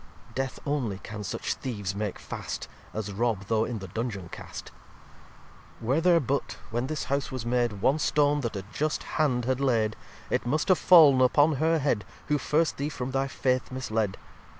Death only can such Theeves make fast, As rob though in the Dungeon cast. xxvii "Were there but, when this House was made, One Stone that a just Hand had laid, It must have fall'n upon her Head Who first Thee from thy Faith misled.